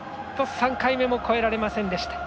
３回目も越えられませんでした。